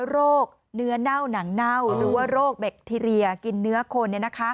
โรคเนื้อเน่าหนังเน่าหรือว่าโรคแบคทีเรียกินเนื้อคน